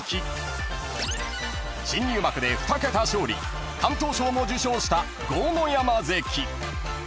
［新入幕で２桁勝利敢闘賞も受賞した豪ノ山関］